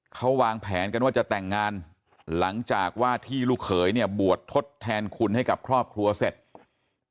เขาวางแผนกันว่าจะแต่งงานหลังจากว่าที่ลูกเขยเนี่ยบวชทดแทนคุณให้กับครอบครัวเสร็จ